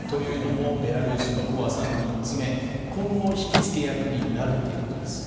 ベラルーシの怖さの３つ目今後、引きつけ役になるというんです。